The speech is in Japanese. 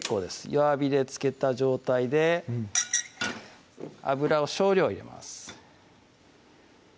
弱火でつけた状態で油を少量入れます